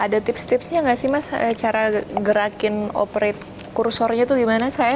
mas ada tips tipsnya gak sih mas cara gerakin operate kursornya itu gimana